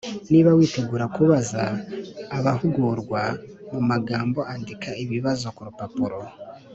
Niba witegura kubaza abahugurwa mu magambo andika ibibazo ku rupapuro